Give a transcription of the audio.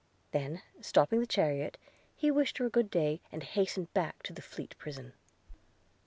– Then, stopping the chariot, he wished her a good day, and hastened back to the Fleet prison.